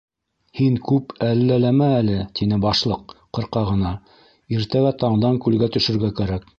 - Һин күп әлләләмә әле, - тине Башлыҡ ҡырҡа ғына, - иртәгә таңдан күлгә төшөргә кәрәк.